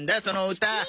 その歌。